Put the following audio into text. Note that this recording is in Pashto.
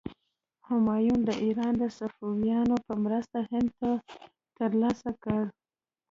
همایون د ایران د صفویانو په مرسته هند تر لاسه کړ.